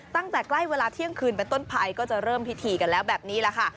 ตั้งแต่ใกล้เวลาเที่ยงคืนเป็นต้นภัยก็จะเริ่มพิธีกันแล้วแบบนี้แหละค่ะ